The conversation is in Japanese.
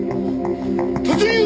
突入！